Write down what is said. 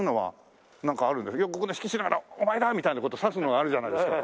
よくここで指揮しながら「お前だ！」みたいな事指すのがあるじゃないですか。